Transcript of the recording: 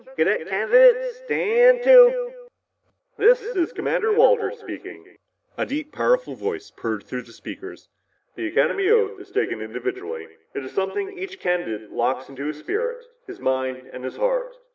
_ Cadet candidates Staaaaannnnd TO!" "This is Commander Walters speaking!" A deep, powerful voice purred through the speaker. "The Academy oath is taken individually. "It is something each candidate locks in his spirit, his mind and his heart.